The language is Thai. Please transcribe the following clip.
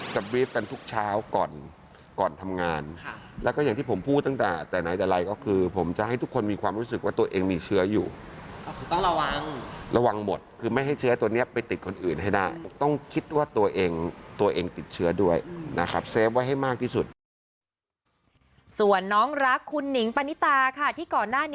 ส่วนน้องรักคุณหญิงปณิตาที่ก่อนหน้านี้